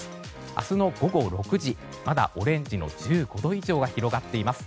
明日の午後６時まだオレンジの１５度以上が広がっています。